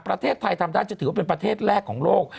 ประเทศไทยทำได้จะถือว่าเป็นประเทศแรกของโลก